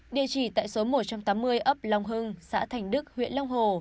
địa chỉ tại số một trăm tám mươi ấp long hưng xã thành đức huyện long hồ